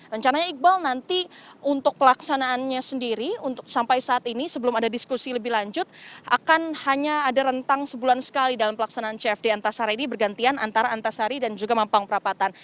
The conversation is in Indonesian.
rencananya iqbal nanti untuk pelaksanaannya sendiri untuk sampai saat ini sebelum ada diskusi lebih lanjut akan hanya ada rentang sebulan sekali dalam pelaksanaan cfd antasari ini bergantian antara antasari dan juga mampang perapatan